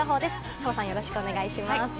澤さん、よろしくお願いします。